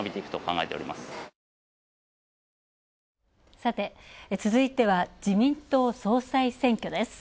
さて続いては、自民党総裁選挙です。